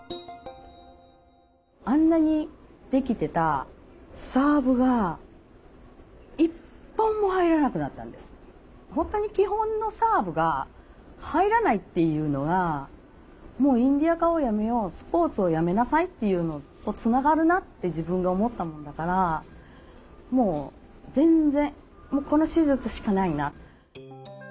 あんなにできてた本当に基本のサーブが入らないっていうのはもうインディアカをやめようスポーツをやめなさいっていうのとつながるなって自分が思ったもんだからもう全然もうこの手術しかないな。